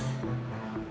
nanti saya urus